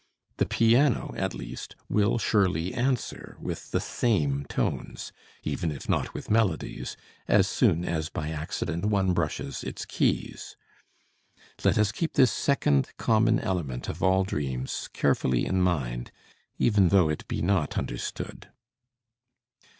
The piano, at least, will surely answer with the same tones, even if not with melodies, as soon as by accident one brushes its keys. Let us keep this second common element of all dreams carefully in mind, even though it be not understood.